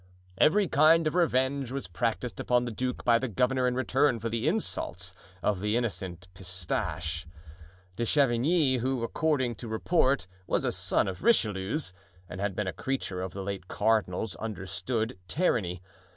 Every kind of revenge was practiced upon the duke by the governor in return for the insults of the innocent Pistache. De Chavigny, who, according to report, was a son of Richelieu's, and had been a creature of the late cardinal's, understood tyranny.